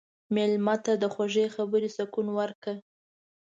مېلمه ته د خوږې خبرې سکون ورکړه.